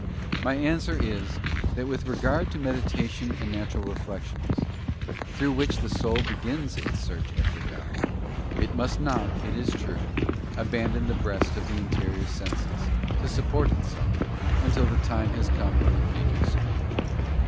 My answer is, that with regard to medita tion and natural reflections, through which the soul begins its search after God, it must not, it is true, abandon the breast of the interior senses, to support itself, until the time has come when it may do so.